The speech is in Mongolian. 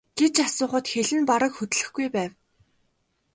гэж асуухад хэл нь бараг хөдлөхгүй байв.